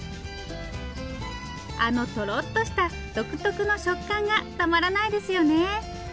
あのトロっとした独特の食感がたまらないですよね。